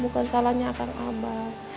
bukan salahnya akang abah